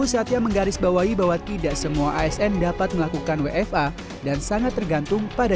satya menggarisbawahi bahwa tidak semua asn dapat melakukan wfa dan sangat tergantung pada